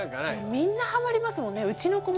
みんなハマりますもんね